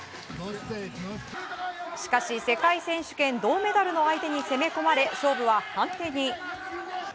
しかし世界選手権銅メダルの相手に攻め込まれ、勝負は判定に。